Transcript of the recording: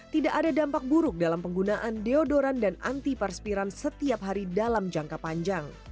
tidak ada dampak buruk dalam penggunaan deodoran dan antiparspiran setiap hari dalam jangka panjang